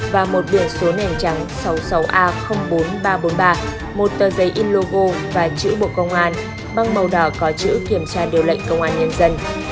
và một biển số nền trắng sáu mươi sáu a bốn nghìn ba trăm bốn mươi ba một tờ giấy in logo và chữ bộ công an băng màu đỏ có chữ kiểm tra điều lệnh công an nhân dân